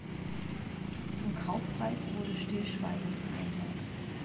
Zum Kaufpreis wurde Stillschweigen vereinbart.